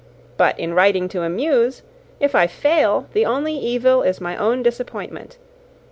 But in writing to amuse, if I fail, the only evil is my own disappointment.